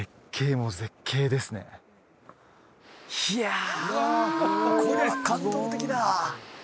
いやこれは感動的だ